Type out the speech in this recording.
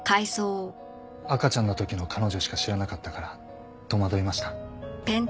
赤ちゃんの時の彼女しか知らなかったから戸惑いました。